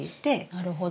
なるほど。